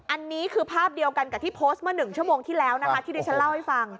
อันนี้คือภาพเดียวกันกับที่โพสต์เมื่อ๑ชั่วโมงที่แล้วนะคะที่ดิฉันเล่าให้ฟัง